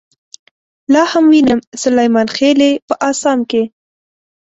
لاهم وينم سليمانخيلې په اسام کې